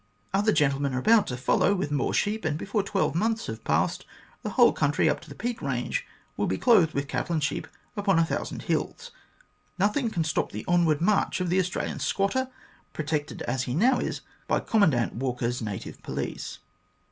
Other gentlemen are about to follow with more sheep, and before twelve months have passed, the whole country, up to the Peak Eange, will be clothed with cattle and sheep upon a thousand hills. Nothing can stop the onward march of the Australian squatter, protected as he now is by Commandant Walker's native police.